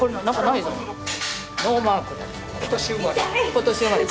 今年生まれ。